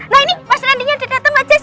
nah ini mas rendy nya udah dateng mbak jess